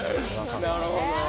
なるほど。